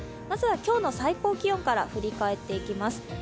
まずは今日の最高気温から振り返っていきます。